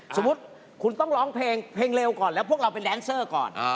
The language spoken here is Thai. สมมุติคุณต้องร้องเพลงเพลงเร็วก่อนแล้วพวกเราเป็นแดนเซอร์ก่อน